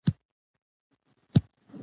منتخبه ارواپوهنه